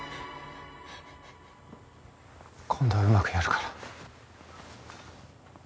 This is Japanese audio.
今度はうまくやるから。